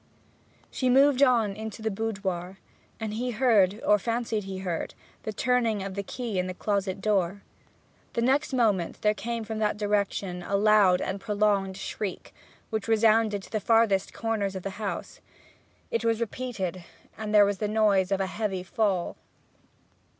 She moved on into the boudoir, and he heard, or fancied he heard, the turning of the key in the closet door. The next moment there came from that direction a loud and prolonged shriek, which resounded to the farthest corners of the house. It was repeated, and there was the noise of a heavy fall.